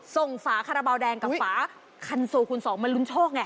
ส่งฝาคราบาลแดงกับฝาหน้าสู่คุณศูอร์มันรุ้นโชคไง